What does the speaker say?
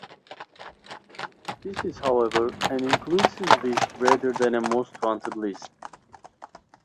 This is, however, an inclusive list rather than a "most wanted" list.